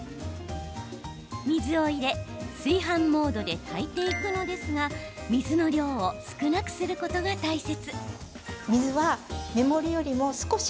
水を入れ、炊飯モードで炊いていくのですが水の量を少なくすることが大切。